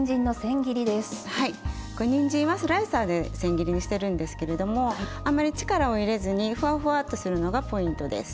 これにんじんはスライサーでせん切りにしてるんですけれどもあまり力を入れずにふわふわっとするのがポイントです。